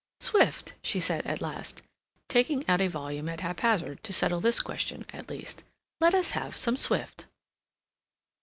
"Swift," she said, at last, taking out a volume at haphazard to settle this question at least. "Let us have some Swift."